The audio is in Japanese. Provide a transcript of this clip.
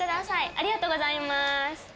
ありがとうございます。